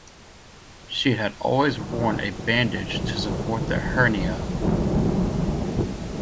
She had always worn a bandage to support the hernia.